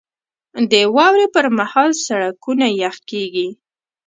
• د واورې پر مهال سړکونه یخ کېږي.